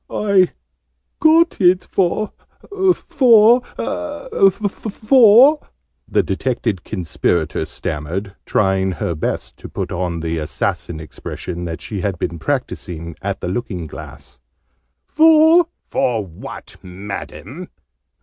"I got it for for for " the detected Conspirator stammered, trying her best to put on the assassin expression that she had been practising at the looking glass. "For " "For what, Madam!"